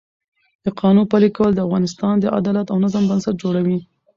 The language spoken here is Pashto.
د قانون پلي کول د افغانستان د عدالت او نظم بنسټ جوړوي